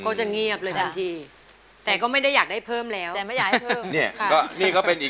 ก็จะเงียบเลยทันทีแต่ก็ไม่ได้อยากได้เพิ่มแล้วแต่ไม่อยากให้เพิ่มเนี่ย